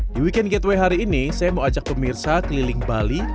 di weekend gateway hari ini saya mau ajak pemirsa keliling bali